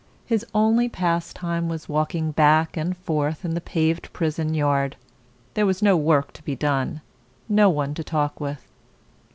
His only pastime was walking back and forth in the paved prison yard. There was no work to be done, no one to talk with.